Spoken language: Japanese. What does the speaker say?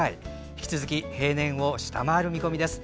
引き続き平年を下回る見込みです。